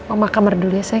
oma kamar dulu ya sayang